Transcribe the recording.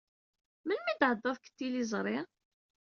Melmi ay d-tɛeddad deg tliẓri?